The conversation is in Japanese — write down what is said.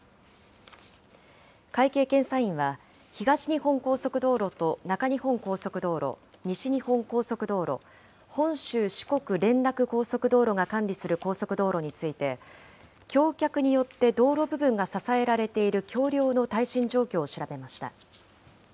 会計検査院は、東日本高速道路と中日本高速道路、西日本高速道路、本州四国連絡高速道路が管理する高速道路について、橋脚によって道路部分が支えられている橋りょうの耐震状況を調べました。